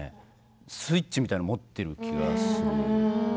スイッチみたいなのを持っているような気がする。